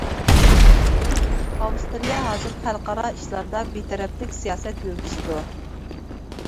ئاۋسترىيە ھازىر خەلقئارا ئىشلاردا بىتەرەپلىك سىياسەت يۈرگۈزىدۇ.